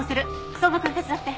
相馬くん手伝って。